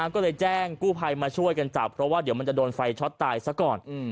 ก็เลยแจ้งกู้ภัยมาช่วยกันจับเพราะว่าเดี๋ยวมันจะโดนไฟช็อตตายซะก่อน